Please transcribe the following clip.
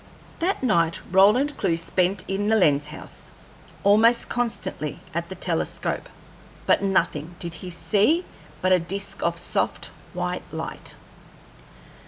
That night Roland Clewe spent in the lens house, almost constantly at the telescope, but nothing did he see but a disk of soft, white light.